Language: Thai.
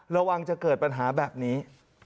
ระวังจะเกิดปัญหาแบบนี้